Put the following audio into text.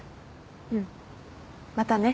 うんまたね。